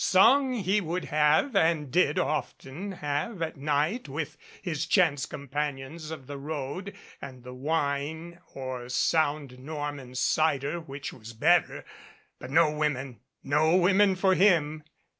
Song he would have and did often have at night with his chance companions of the road, and wine or the sound Norman cider which was better but no women no women for him